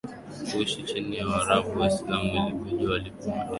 kuishi chini ya Waarabu Waislamu Ilibidi walipe madeni yaliyoachwa nyuma